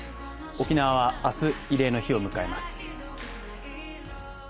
沖縄は明日、慰霊の日を迎えます。